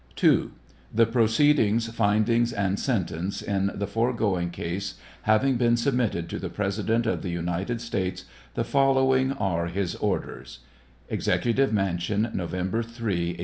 ] II. The proceedings, findings, and sentence in the foregoing case having been submitted to the President of the United States, the following are his orders : Executive Mansion, November 3, 1865.